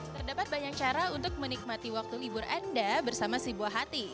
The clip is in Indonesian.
terdapat banyak cara untuk menikmati waktu libur anda bersama si buah hati